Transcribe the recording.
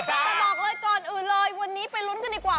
แต่บอกเลยก่อนอื่นเลยวันนี้ไปลุ้นกันดีกว่า